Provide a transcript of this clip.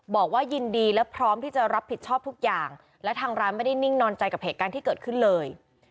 บอกว่ายินดีและพร้อมที่จะรับผิดชอบทุกอย่างและทางร้านไม่ได้นิ่งนอนใจกับเหตุการณ์ที่เกิดขึ้นเลย